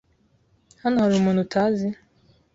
Hano hari umuntu utazi?